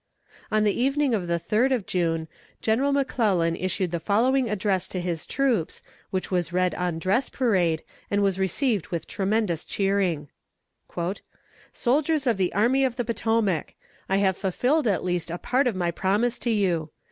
On the evening of the third of June, General McClellan issued the following address to his troops, which was read on dress parade, and was received with tremendous cheering: "Soldiers of the Army of the Potomac! I have fulfilled at least a part of my promise to you.